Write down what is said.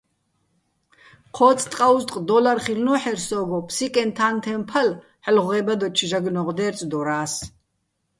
ჴო́წ ტყაუზტყ დო́ლარ ხილ'ნო́ჰ̦ერ სო́გო, "ფსიკეჼ-თანთეჼ ფალ" ჰ̦ალო̆ ღე́ბადოჩო̆ ჟაგნოღ დე́რწდორა́ს.